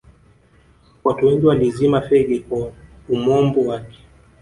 watu wengi walizima fegi kwa umombo wake